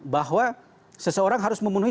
bahwa seseorang harus memenuhi